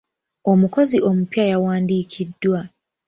Omukozi omupya yawandiikiddwa.